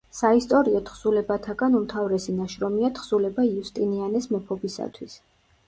საისტორიო თხზულებათაგან უმთავრესი ნაშრომია თხზულება „იუსტინიანეს მეფობისათვის“.